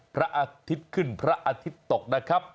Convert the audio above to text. พระอาทิตย์ขึ้นพระอาทิตย์ตกนะครับ